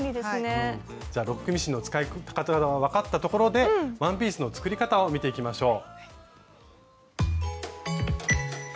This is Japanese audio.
じゃあロックミシンの使い方が分かったところでワンピースの作り方を見ていきましょう。